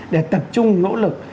để tập trung nỗ lực